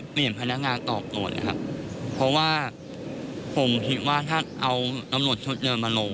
เพราะว่าผมคิดว่าถ้าเอารำรวจชุดเดินมาลง